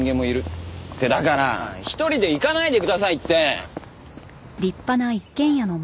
ってだから１人で行かないでくださいって！